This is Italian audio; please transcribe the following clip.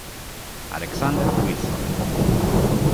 Alexander Wilson